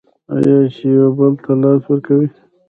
آیا چې یو بل ته لاس ورکوي؟